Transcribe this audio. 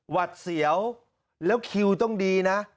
วัดเสียวแล้วคิวต้องดีนะ